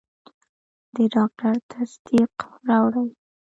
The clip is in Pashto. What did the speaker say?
د ډاکټر تصدیق راوړئ.